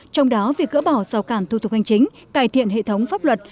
trong đó việc gỡ bỏ sầu cản thu thục hành chính cải thiện hệ thống pháp luật